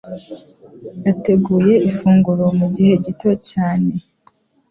Yateguye ifunguro mugihe gito cyane.